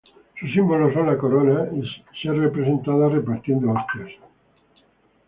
Sus sÍmbolos son la corona y ser representada repartiendo hostias.